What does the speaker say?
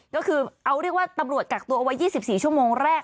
ก็คือเอาเรียกว่าตำรวจกักตัวเอาไว้๒๔ชั่วโมงแรก